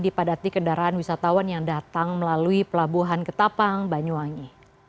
dipadati kendaraan wisatawan yang datang melalui pelabuhan ketapang banyuwangi